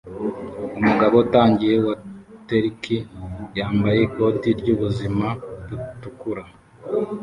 Umugabo utangiye waterki yambaye ikoti ryubuzima butukura